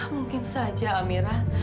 mungkin saja amirah